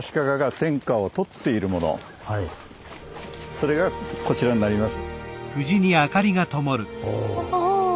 それがこちらになります。